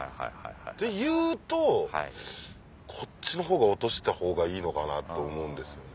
で言うとこっちのほうが落としたほうがいいのかなって思うんですよね。